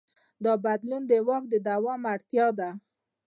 دا بدلون د واک د دوام اړتیا ده.